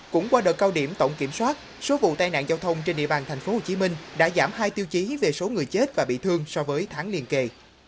cũng qua đợt cao điểm tổng kiểm soát số vụ tai nạn giao thông trên địa bàn tp hcm đã giảm hai tiêu chí về số người chết và bị thương so với tháng liên kỳ